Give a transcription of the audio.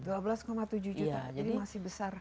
dua belas tujuh juta jadi masih besar